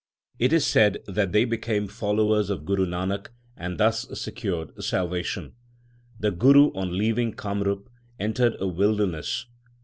It is said that they became followers of Guru Nanak, and thus secured salvation* The Guru, on leaving Kamrup, entered a wilderness.